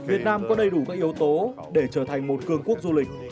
việt nam có đầy đủ các yếu tố để trở thành một cường quốc du lịch